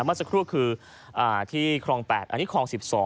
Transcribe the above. เมื่อสักครู่คือที่คลอง๘อันนี้คลอง๑๒